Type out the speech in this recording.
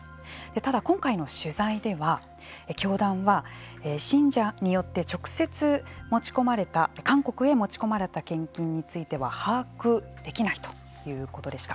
ただ、今回の取材では教団は信者によって直接持ち込まれた韓国へ持ち込まれた献金については把握できないということでした。